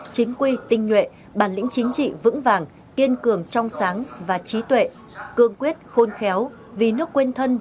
chính quy tinh nhuệ bản lĩnh chính trị vững vàng kiên cường trong sáng và trí tuệ cương quyết khôn khéo vì nước quên thân